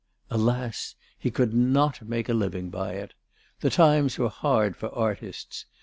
Alas! he could not make a living by it. The times were hard for artists.